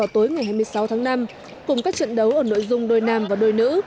tối ngày hai mươi sáu tháng năm cùng các trận đấu ở nội dung đôi nam và đôi nữ